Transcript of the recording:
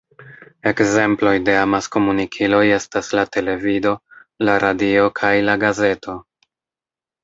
Ekzemploj de amaskomunikiloj estas la televido, la radio, kaj la gazeto.